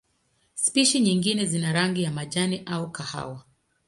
Spishi nyingine zina rangi ya majani au kahawa.